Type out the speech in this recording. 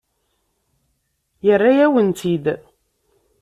Yerra-yawen-tt-id?